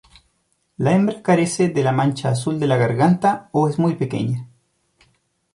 La hembra carece de la mancha azul de la garganta o es muy pequeña.